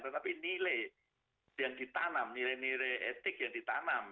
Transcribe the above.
tetapi nilai yang ditanam nilai nilai etik yang ditanam